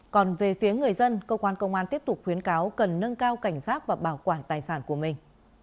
còn về phía người dân công an tiếp tục khuyến cáo cần nâng cao cảnh sát và bảo quản tài sản của mình